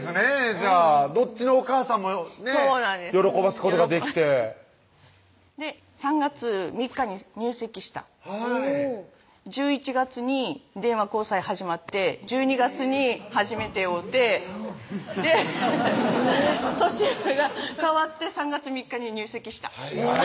じゃあどっちのおかあさんもね喜ばすことができてで３月３日に入籍したはい１１月に電話交際始まって１２月に初めて会うてで年が変わって３月３日に入籍した早い！